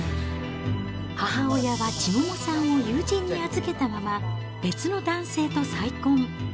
母親は千桃さんを友人に預けたまま、別の男性と再婚。